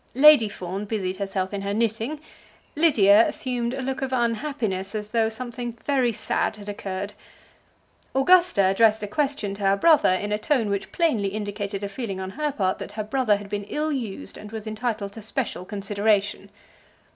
Lady Fawn busied herself in her knitting. Lydia assumed a look of unhappiness, as though something very sad had occurred. Augusta addressed a question to her brother in a tone which plainly indicated a feeling on her part that her brother had been ill used and was entitled to special consideration.